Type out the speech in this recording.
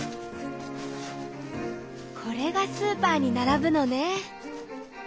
これがスーパーにならぶのね。